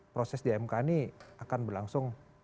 proses di mk ini akan berlangsung